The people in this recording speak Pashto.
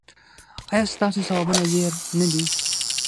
ایا ستاسو ثوابونه ډیر نه دي؟